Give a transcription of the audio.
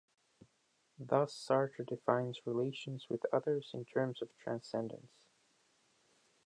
Thus, Sartre defines relations with others in terms of transcendence.